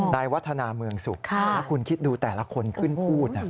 นายวัฒนาเมืองสุขแล้วคุณคิดดูแต่ละคนขึ้นพูด